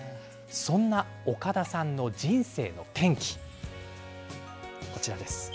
そんな岡田さんの人生の転機、こちらです。